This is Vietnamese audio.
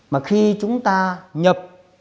mà khi chúng ta nhập